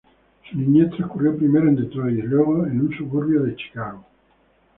Su niñez transcurrió primero en Detroit y luego en un suburbio de Chicago.